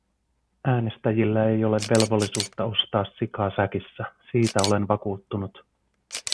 Äänestäjillä ei ole velvollisuutta ostaa sikaa säkissä, siitä olen vakuuttunut.